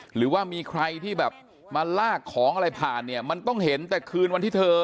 หรือว่ามีใครที่แบบมาลากของอะไรผ่านเนี่ยมันต้องเห็นแต่คืนวันที่เธอ